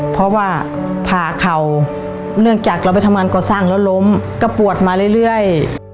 เพราะว่าผ่าเข่าเนื่องจากเราไปทำงานก่อสร้างแล้วล้มก็ปวดมาเรื่อย